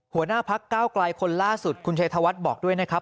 หัวหน้าพักเก้าไกลคนล่าสุดคุณชัยธวัฒน์บอกด้วยนะครับ